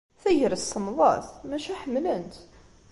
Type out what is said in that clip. Tagrest semmḍet, maca ḥemmlen-tt.